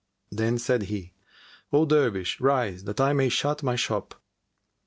Then said he, "O Dervish, rise, that I may shut my shop."